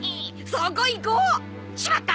そこ行こう。しまった！